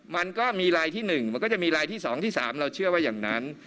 มันก็มีลายที่๑มันก็จะมีลายที่๒ที่๓เราเชื่อว่าอย่างนั้น